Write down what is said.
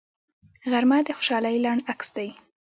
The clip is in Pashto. غرمه د خوشحالۍ لنډ عکس دی